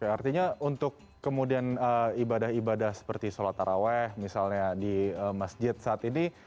artinya untuk kemudian ibadah ibadah seperti sholat taraweh misalnya di masjid saat ini